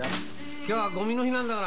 今日はゴミの日なんだから。